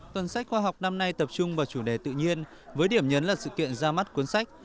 tuần sách khoa học năm nay tập trung vào chủ đề tự nhiên với điểm nhấn là sự kiện ra mắt cuốn sách